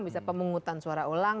bisa pemungutan suara ulang